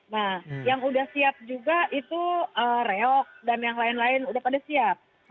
nah yang udah siap juga itu reok dan yang lain lain udah pada siap